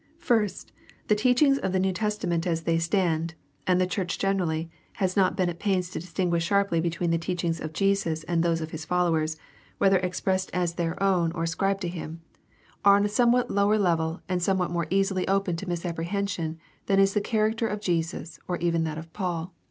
First, the teachings of the New Testa ment as they stand — and the church generally has not been at pains to distinguish sharply between the teachings of Jesus and those of his followers, whether expressed as their own or 234 GUIDE TO STUDY OF CHRISTIAN RELIGION ascribed to him — are on a somewhat lower level and some what more easily open to misapprehension than is the char acter of Jesus or even that of Paul.